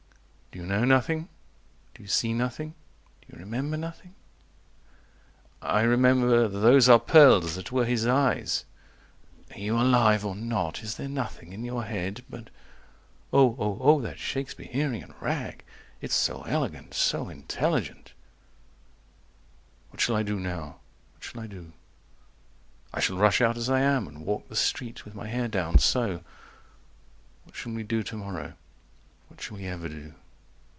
120 "Do You know nothing? Do you see nothing? Do you remember Nothing?" I remember Those are pearls that were his eyes. 125 "Are you alive, or not? Is there nothing in your head?" But O O O O that Shakespeherian Rag— It's so elegant So intelligent 130 "What shall I do now? What shall I do? I shall rush out as I am, and walk the street With my hair down, so. What shall we do to morrow? What shall we ever do?"